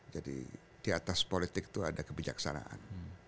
jadi di atas politik itu ada kebijaksanaan